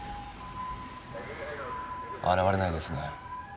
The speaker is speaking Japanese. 現れないですね。